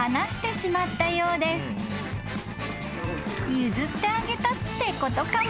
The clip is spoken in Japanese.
［譲ってあげたってことかも］